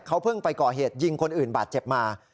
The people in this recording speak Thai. เขาเพิ่งไปก่อเหตุยิงคนอื่นบาดเจ็บมา